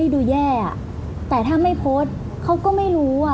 ดูแย่อ่ะแต่ถ้าไม่โพสต์เขาก็ไม่รู้อ่ะ